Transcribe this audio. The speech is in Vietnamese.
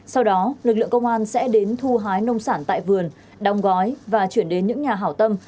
sau đó lực lượng công an sẽ đến thu hái nông sản tại vườn đong gói và chuyển đến những nhà hảo tâm